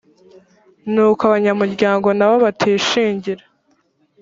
n uko abanyamuryango nabo batishingira